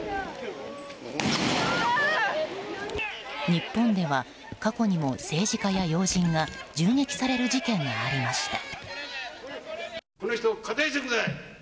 日本では過去にも政治家や要人が銃撃される事件がありました。